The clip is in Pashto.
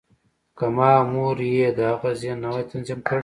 که ما او مور یې د هغه ذهن نه وای تنظیم کړی